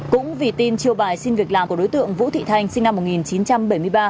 cũng vì tin chiêu bài xin việc làm của đối tượng vũ thị thanh sinh năm một nghìn chín trăm bảy mươi ba